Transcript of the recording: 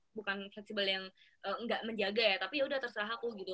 gak akan fleksibel yang gak menjaga ya tapi yaudah terserah aku gitu